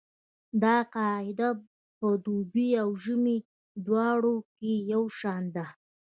دا قاعده په دوبي او ژمي دواړو کې یو شان ده